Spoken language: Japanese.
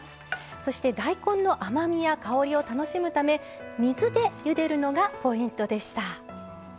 そして大根の甘みや香りを楽しむため水でゆでるのがポイントでした。